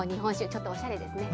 ちょっとおしゃれですね。